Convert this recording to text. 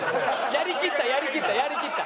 やりきったやりきったやりきった。